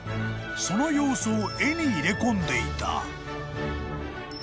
その様子を絵に入れ込んでいた］